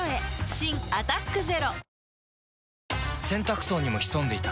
新「アタックＺＥＲＯ」洗濯槽にも潜んでいた。